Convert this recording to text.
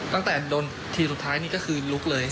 ตั้งแต่โดนทีสุดท้ายนี่ก็คือลุกเลย